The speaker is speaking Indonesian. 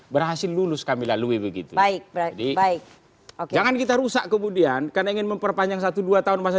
terus kami lalui begitu baik baik jangan kita rusak kemudian karena ingin memperpanjang dua belas tahun masa